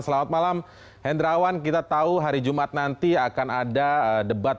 selamat malam hendrawan kita tahu hari jumat nanti akan ada debat